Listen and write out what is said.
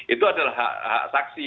itu adalah hak saksi